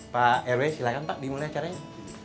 pak rw silakan pak dimulai acaranya